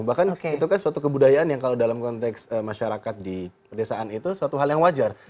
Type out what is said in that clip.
bahkan itu kan suatu kebudayaan yang kalau dalam konteks masyarakat di perdesaan itu suatu hal yang wajar